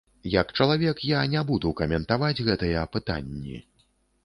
Як чалавек, я не буду каментаваць гэтыя пытанні.